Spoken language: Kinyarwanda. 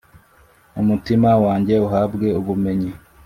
umutima wanyu uhabwe ubumenyi,